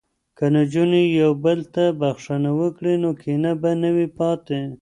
که نجونې یو بل ته بخښنه وکړي نو کینه به نه وي پاتې.